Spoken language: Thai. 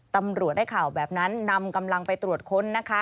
ตำรวจได้ข่าวแบบนั้นนำกำลังไปตรวจค้นนะคะ